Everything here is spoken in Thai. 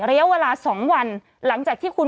ระยะเวลา๒วันหลังจากที่คุณ